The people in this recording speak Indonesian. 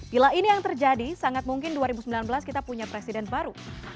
bila ini yang terjadi sangat mungkin dua ribu sembilan belas kita punya presiden baru